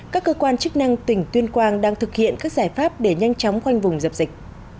các cơ quan chức năng tỉnh tuyên quang đang thực hiện các giải pháp để nhanh chóng khoanh vùng dập dịch